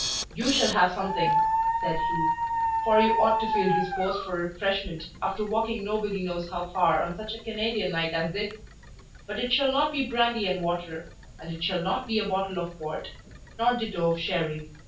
"You shall have something," said he, "for you ought to feel disposed for refreshment after walking nobody knows how far on such a Canadian night as this; but it shall not be brandy and water, and it shall not be a bottle of port, nor ditto of sherry.